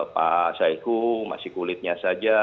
pak saiku masih kulitnya saja